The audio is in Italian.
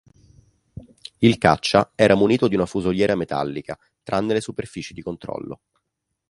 Il caccia era munito di una fusoliera metallica, tranne le superfici di controllo.